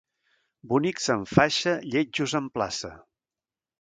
Bonics en faixa, lletjos en plaça.